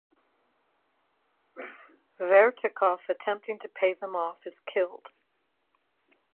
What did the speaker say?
Vertikoff, attempting to pay them off, is killed.